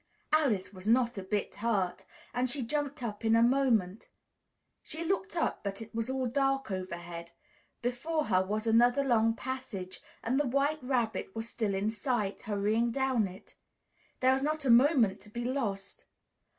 Alice was not a bit hurt, and she jumped up in a moment. She looked up, but it was all dark overhead; before her was another long passage and the White Rabbit was still in sight, hurrying down it. There was not a moment to be lost.